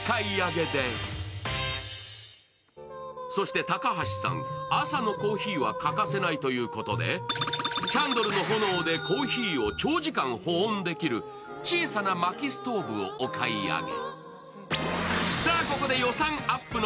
そして高橋さん、朝のコーヒーは欠かせないということで、キャンドルの炎でコーヒーを長時間保温できる、小さな薪ストーブをお買い上げ。